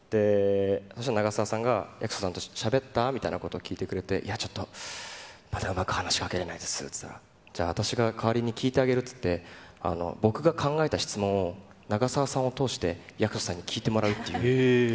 そうしたら長澤さんが役所さんとしゃべった？みたいなこと、聞いてくれて、いや、ちょっとまだうまく話しかけれないですって言ったら、じゃあ、私が代わりに聞いてあげるって言って、僕が考えた質問を、長澤さんを通して、役所さんに聞いてもらうっていう。